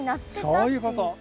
そういうこと。